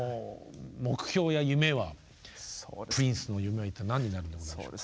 プリンスの夢は一体何になるんでございましょうか？